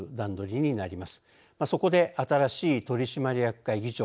そこで新しい取締役会議長